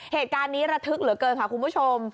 เหตุการณ์นี้ระทึกเหลือเกินค่ะคุณผู้ชม